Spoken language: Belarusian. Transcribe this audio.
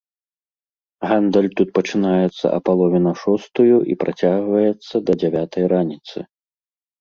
Гандаль тут пачынаецца а палове на шостую і працягваецца да дзявятай раніцы.